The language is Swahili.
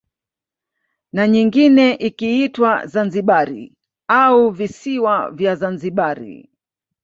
Na nyingine ikiitwa Zanzibari au visiwa vya Zanzibari